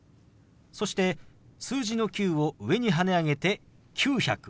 そして数字の「９」を上にはね上げて「９００」。